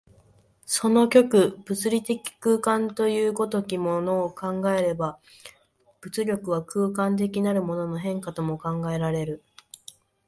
その極、物理的空間という如きものを考えれば、物力は空間的なるものの変化とも考えられる。